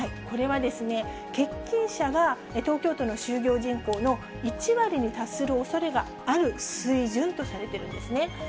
これは欠勤者が東京都の就業人口の１割に達するおそれがある水準とされてるんですね。